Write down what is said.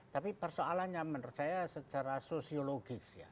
tapi persoalannya menurut saya secara sosiologis ya